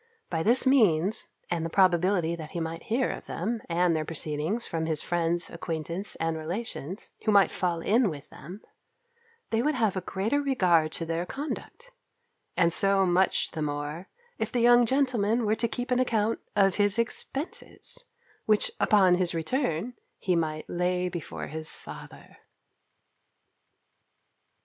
By this means, and the probability that he might hear of them, and their proceedings, from his friends, acquaintance, and relations, who might fall in with them, they would have a greater regard to their conduct; and so much the more, if the young gentleman were to keep an account of his expences, which, upon his return, he might lay before his father.